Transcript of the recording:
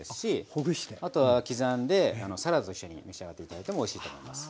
あとは刻んでサラダと一緒に召し上がって頂いてもおいしいと思います。